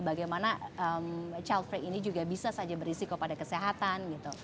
bagaimana child free ini juga bisa saja berisiko pada kesehatan gitu